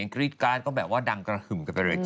กรี๊ดกาลก็ดังกระหึมกันไปเลย